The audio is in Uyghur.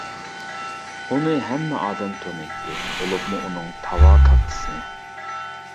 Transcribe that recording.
ئۇنى ھەممە ئادەم تونۇيتتى، بولۇپمۇ ئۇنىڭ تاۋا كاكچىسىنى.